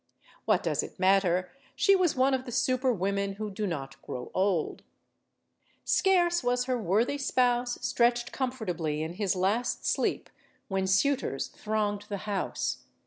What 104 STORIES OF THE SUPER WOMEN does it matter? She was one of the super women who do not grow old. Scarce was her worthy spouse stretched comfortably in his last sleep, when suitors thronged the house.